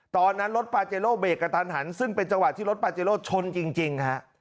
ตอนนั้นรถปาเจโร่เบรกกระทันหันซึ่งเป็นจังหวะที่รถปาเจโร่ชนจริงฮะ